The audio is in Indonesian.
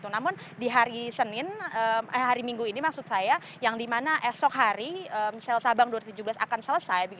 namun di hari minggu ini yang dimana esok hari sel sabang dua ribu tujuh belas akan selesai